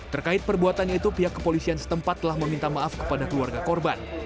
terkait perbuatannya itu pihak kepolisian setempat telah meminta maaf kepada keluarga korban